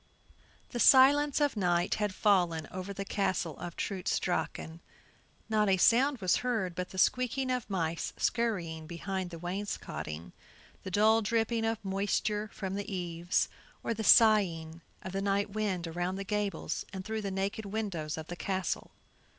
The silence of night had fallen over the Castle of Trutz Drachen; not a sound was heard but the squeaking of mice scurring behind the wainscoting, the dull dripping of moisture from the eaves, or the sighing of the night wind around the gables and through the naked windows of the castle.